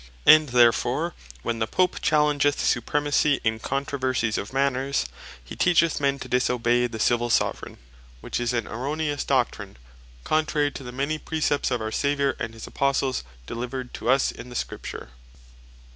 And therefore when the Pope challengeth Supremacy in controversies of Manners, hee teacheth men to disobey the Civill Soveraign; which is an erroneous Doctrine, contrary to the many precepts of our Saviour and his Apostles, delivered to us in the Scripture.